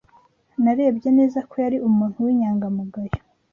Narebye neza ko yari umuntu w'inyangamugayo